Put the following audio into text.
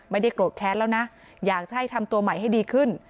ไม่ได้โกรธแค้นแล้วนะอยากจะให้ทำตัวใหม่ให้ดีขึ้น